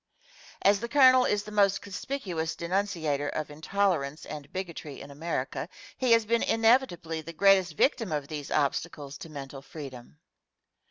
As the Colonel is the most conspicuous denunciator of intolerance and bigotry in America, he has been inevitably the greatest victim of these obstacles to mental freedom.